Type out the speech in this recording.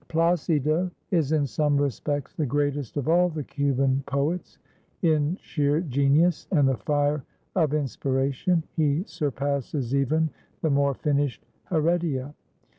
Plácido is in some respects the greatest of all the Cuban poets. In sheer genius and the fire of inspiration he surpasses even the more finished Heredia.